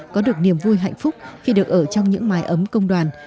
có được niềm vui hạnh phúc khi được ở trong những mái ấm công đoàn